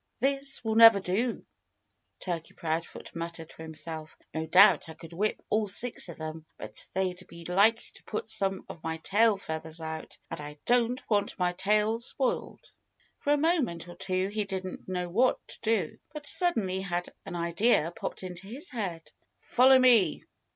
"This will never do," Turkey Proudfoot muttered to himself. "No doubt I could whip all six of them; but they'd be likely to pull some of my tail feathers out. And I don't want my tail spoiled." For a moment or two he didn't know what to do. But suddenly an idea popped into his head. "Follow me!"